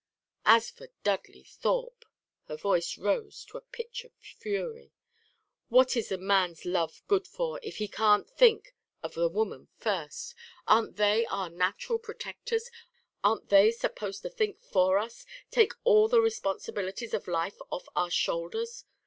As for Dudley Thorpe!" her voice rose to the pitch of fury. "What is a man's love good for, if it can't think of the woman first? Aren't they our natural protectors? Aren't they supposed to think for us, take all the responsibilities of life off our shoulders?